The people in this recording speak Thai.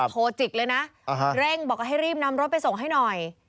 โทรจิกเลยนะเร่งบอกให้รีบนำรถไปส่งให้หน่อย